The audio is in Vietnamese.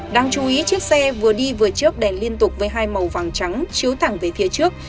đáng chú ý chiếc xe vừa đi vừa trước đèn liên tục với hai màu vàng trắng chứa thẳng về phía trước